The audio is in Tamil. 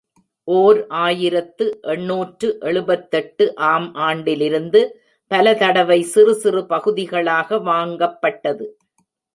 ஓர் ஆயிரத்து எண்ணூற்று எழுபத்தெட்டு ஆம் ஆண்டிலிருந்து பலதடவை சிறுசிறு பகுதிகளாக வாங்கப்பட்டது.